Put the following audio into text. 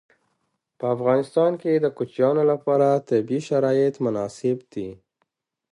په افغانستان کې د کوچیانو لپاره طبیعي شرایط مناسب دي.